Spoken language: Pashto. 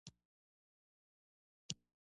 دا آخرت او خدای د انبیا د بعثت موخه ده.